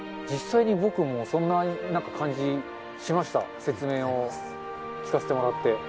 実際に僕もそんな感じしました、説明を聞かせてもらって。